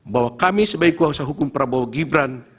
bahwa kami sebagai kuasa hukum prabowo gibran